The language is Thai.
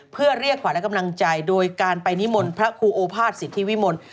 เพื่อเรียกขวัญและกำลังใจโดยการไปนิมนต์พระครูโอภาษสิทธิวิมล